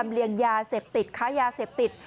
เลียงยาเสพติดค้ายาเสพติด